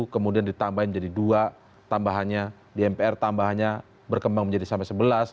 kemudian ditambahin jadi dua tambahannya di mpr tambahannya berkembang menjadi sampai sebelas